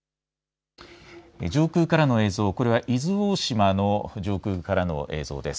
上空からの映像、これは伊豆大島の上空からの映像です。